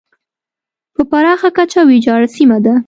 په پراخه کچه ویجاړه سیمه ده.